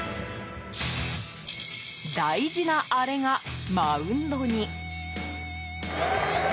大事なアレがマウンドに。